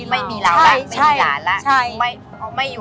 มันไม่ได้อะไรเงี้ย